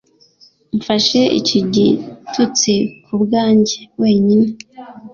Mfashe iki gitutsi kubwanjye wenyine